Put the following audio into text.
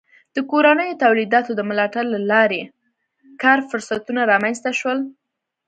د کورنیو تولیداتو د ملاتړ له لارې کار فرصتونه رامنځته شول.